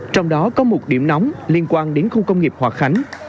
trong đó có một điểm nóng liên quan đến khu công nghiệp hòa khánh